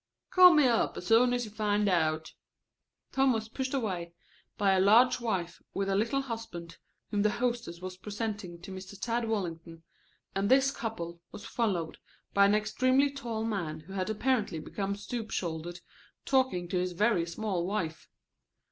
"Call me up as soon as you find out." Tom was pushed away by a large wife with a little husband whom the hostess was presenting to Mr. Tad Wallington, and this couple was followed by an extremely tall man who had apparently become stoop shouldered talking to his very small wife.